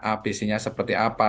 abc nya seperti apa